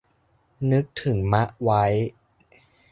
นึกถึงมะไว้